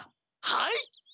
はい！